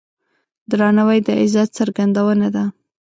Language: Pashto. درناوی د عزت څرګندونه ده.